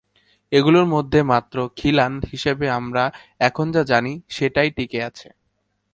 এগুলোর মধ্যে মাত্র "খিলান" হিসেবে আমরা এখন যা জানি, সেটাই টিকে আছে।